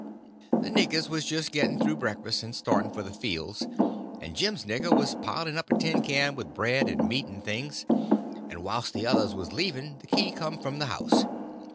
The niggers was just getting through breakfast and starting for the fields; and Jim's nigger was piling up a tin pan with bread and meat and things; and whilst the others was leaving, the key come from the house.